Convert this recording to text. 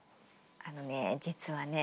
あのね実はね